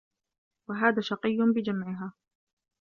وَهَذَا شَقِيٌّ بِجَمْعِهَا